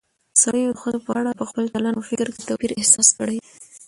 سړيو د ښځو په اړه په خپل چلن او فکر کې توپير احساس کړى